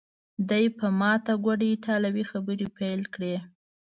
دی په ماته ګوډه ایټالوي خبرې پیل کړې.